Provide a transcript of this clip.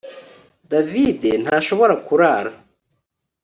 David ntashobora kurara